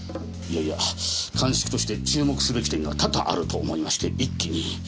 いやいや鑑識として注目すべき点が多々あると思いまして一気に。